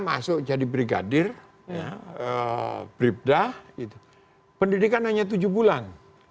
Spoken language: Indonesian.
masuk jadi brigadir bribda pendidikan hanya tujuh bulan